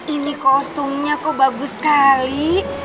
ini kostumnya kok bagus sekali